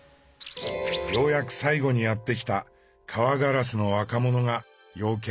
ようやく最後にやって来たカワガラスの若者が用件を聞き終え